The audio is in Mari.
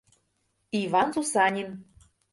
«Иван Сусанин».